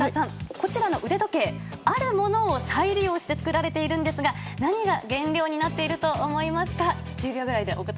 こちらの腕時計、あるものを再利用して作られているんですが何が原料になっていると思いますか？